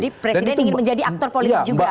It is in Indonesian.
jadi presiden ingin menjadi aktor politik juga